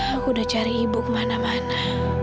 aku udah cari ibu kemana mana